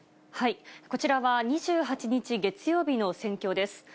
こちらは２８日月曜日の戦況です。